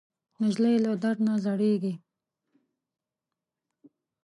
نجلۍ له درد نه زړېږي.